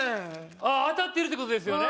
ああ当たってるってことですよね